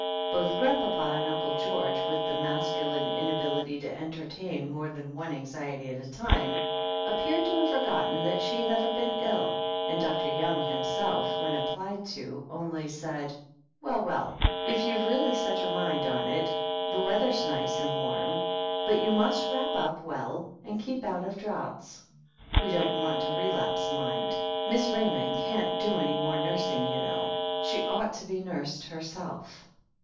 Both Grandpapa and Uncle George, with the masculine inability to entertain more than one anxiety at a time, appeared to have forgotten that she had ever been ill, and Dr. Young himself, when applied to, only said: "Well, weU, if youVe really set your mind on it — the weather's nice and warm. But you must wrap jp well and keep out of draughts. We don't want a relapse, mind. Miss Raymond can't do any more nursing, you know. She ought to be nursed herself."